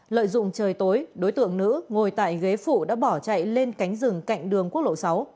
lợi dụng trời tối đối tượng nữ ngồi tại ghế phụ đã bỏ chạy lên cánh rừng cạnh đường quốc lộ sáu